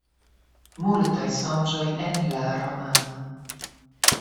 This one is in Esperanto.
Multaj sonĝoj en la romano.